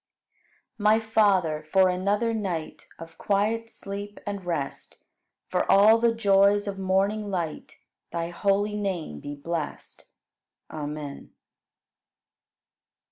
14. My Father, for another night Of quiet sleep and rest. For all the joys of morning light, Thy holy name be blest. Amen.